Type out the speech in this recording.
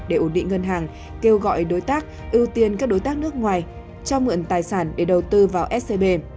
để ổn định ngân hàng kêu gọi đối tác ưu tiên các đối tác nước ngoài cho mượn tài sản để đầu tư vào scb